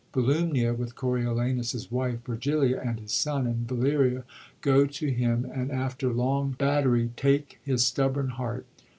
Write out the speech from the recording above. Volumnia, with Ooriolanus's wife Virgilia and his son, and Valeria, go to him and, after long battery, take his stubborn heart.